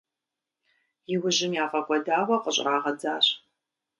Иужьым яфӏэкӏуэдауэ къыщӏрагъэдзащ.